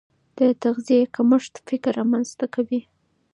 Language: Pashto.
د تغذیې کمښت فقر رامنځته کوي.